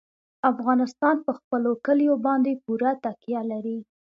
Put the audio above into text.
افغانستان په خپلو کلیو باندې پوره تکیه لري.